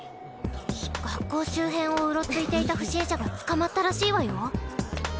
学校周辺をうろついていた不審者が捕まったらしいわよ。